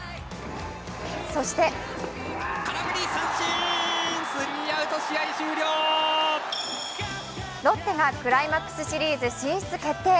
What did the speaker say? そしてロッテがクライマックスシリーズ進出決定。